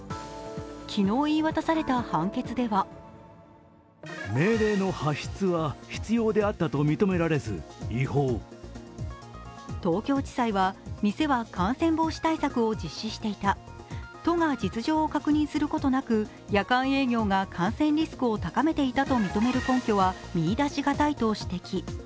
昨日言い渡された判決では東京地裁は、店は感染防止対策を実施していた、都が実情を確認することなく夜間営業が感染リスクを高めていたと認める根拠は見いだしがたいと指摘。